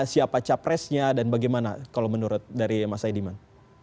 siapa capresnya dan bagaimana kalau menurut dari mas saidiman